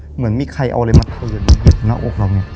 เหมือนมีใครเอาอะไรมาเติบกดเงือกถึงหน้าอกเราเนี่ย